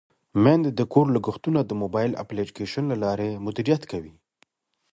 میندې د کور لګښتونه د موبایل اپلیکیشن له لارې مدیریت کوي.